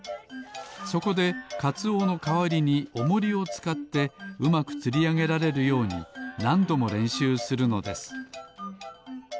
そこでかつおのかわりにおもりをつかってうまくつりあげられるようになんどもれんしゅうするのです